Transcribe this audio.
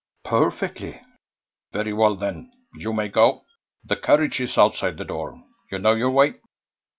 "Perfectly." "Very well, then; you may go. The carriage is outside the door. You know your way."